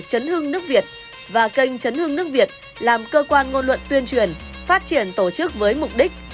chấn hương nước việt và kênh chấn hương nước việt làm cơ quan ngôn luận tuyên truyền phát triển tổ chức với mục đích